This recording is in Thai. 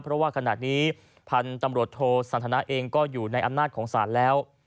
เพราะว่าขณะนี้พันธุ์ตำรวจโทสันทนาเองก็อยู่ในอำนาจของศาลแล้ว